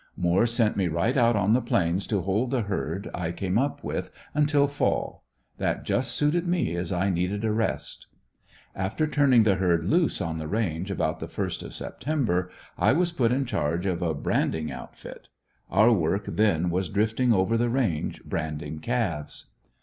Moore sent me right out on the Plains to hold the herd I came up with, until fall. That just suited me as I needed a rest. After turning the herd loose on the range about the first of September, I was put in charge of a branding outfit. Our work then was drifting over the range branding calves.